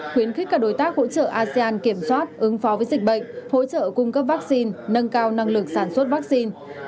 khuyến khích các đối tác hỗ trợ asean kiểm soát ứng phó với dịch bệnh hỗ trợ cung cấp vaccine nâng cao năng lực sản xuất vaccine